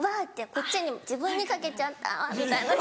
こっちに自分にかけちゃったみたいな。